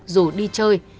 rủ đi chơi